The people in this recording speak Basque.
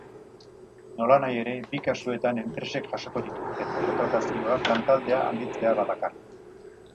Nolanahi ere, bi kasuetan enpresek jasoko dituzte, kontratazioak lantaldea handitzea badakar.